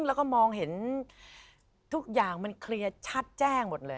แล้วก็มองเห็นทุกอย่างมันเคลียร์ชัดแจ้งหมดเลย